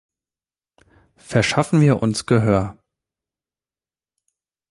Verschaffen wir uns Gehör!